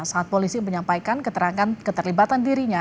saat polisi menyampaikan keterangan keterlibatan dirinya